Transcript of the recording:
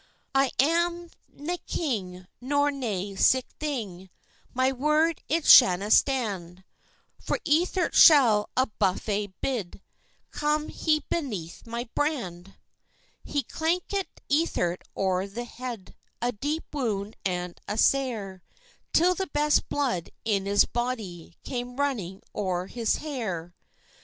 "I am nae king, nor nae sic thing: My word it shanna stand! For Ethert shall a buffet bide, Come he beneath my brand." He clankit Ethert o'er the head A deep wound and a sair, Till the best blood in his body Came running o'er his hair.